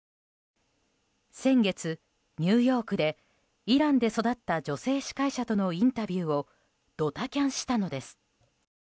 先月、ニューヨークでイランで育った女性司会者とのインタビューをドタキャンしたのです。